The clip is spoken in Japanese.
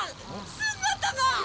姿が！